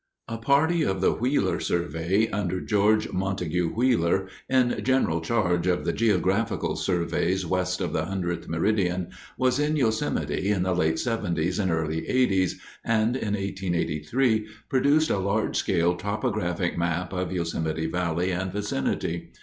A party of the Wheeler Survey, under George Montague Wheeler, in general charge of the Geographical Surveys west of the 100th Meridian, was in Yosemite in the late 'seventies and early 'eighties and in 1883 produced a large scale topographic map of Yosemite Valley and vicinity.